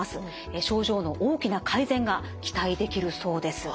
症状の大きな改善が期待できるそうです。